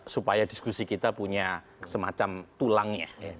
supaya diskusi kita punya semacam tulangnya